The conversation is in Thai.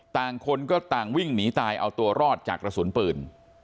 ต่างคนก็ต่างวิ่งหนีตายเอาตัวรอดจากกระสุนปืน